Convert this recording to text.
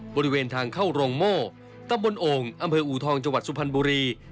บริเวณทางเข้าโรงโม่ตำบลโอ่งอำเภออูทองจังหวัดสุพรรณบุรี